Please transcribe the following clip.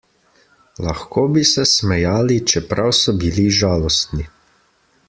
Lahko bi se smejali, čeprav so bili žalostni.